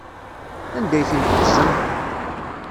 Anda ay ten-teddzem?